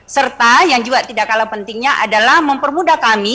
serta yang juga tidak kalah pentingnya adalah mempermudah kami